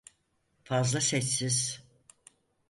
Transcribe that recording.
Fazla sessiz.